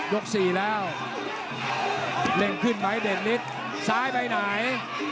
ยก๔แล้วเล่งขึ้นไปเดนลิสซ้ายไปไหน